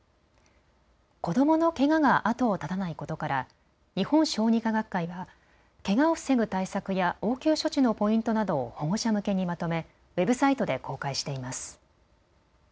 子どものけがが後を絶たないことから日本小児科学会はけがを防ぐ対策や応急処置のポイントなどを保護者向けにまとめウェブサイトで公開しています。